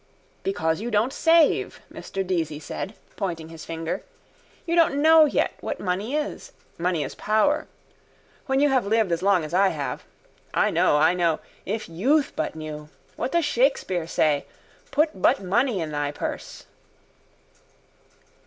—Because you don't save, Mr Deasy said, pointing his finger. You don't know yet what money is. Money is power. When you have lived as long as I have. I know, I know. If youth but knew. But what does Shakespeare say? _Put but money in thy purse.